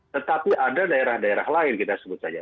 tetapi ada daerah daerah lain kita sebut saja